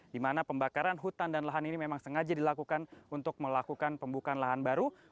di mana pembakaran hutan dan lahan ini memang sengaja dilakukan untuk melakukan pembukaan lahan baru